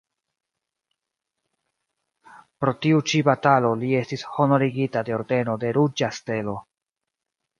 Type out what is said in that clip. Pro tiu ĉi batalo li estis honorigita de ordeno de Ruĝa Stelo.